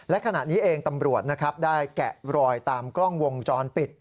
และขณะนี้เองตำรวจนะครับได้แกะรอยตามกล้องวงจรปิด